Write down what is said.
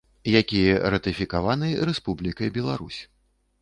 Якія ратыфікаваны Рэспублікай Беларусь.